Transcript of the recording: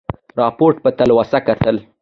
رابرټ په تلوسه کتل.